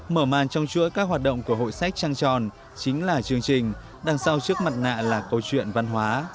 mở màn trong chuỗi các hoạt động của hội sách trăng tròn chính là chương trình đằng sau trước mặt nạ là câu chuyện văn hóa